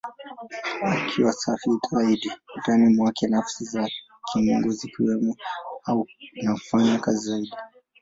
Akiwa safi zaidi, ndani mwake Nafsi za Kimungu zinakuwemo na kufanya kazi zaidi.